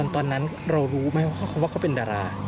ตอนนั้นเรารู้ไหมว่าเขาเป็นดารา